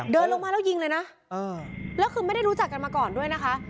เดินลงมาแล้วยิงเลยนะแล้วคือไม่ได้รู้จักกันมาก่อนด้วยนะคะ